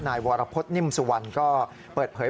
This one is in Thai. นายวรพฤษนิ่มสุวรรณก็เปิดเผย